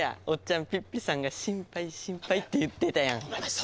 おっちゃんピッピさんが心配心配って言ってたやん。